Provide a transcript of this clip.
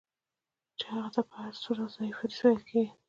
چي هغه ته په هر صورت ضعیف حدیث ویل کیږي.